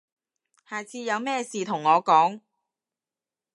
下次有咩事同我講